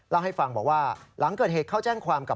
เล่าให้ฟังบอกว่าหลังเกิดเหตุเข้าแจ้งความกับ